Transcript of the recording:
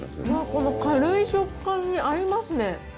この軽い食感に合いますね。